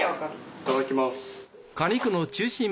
いただきます。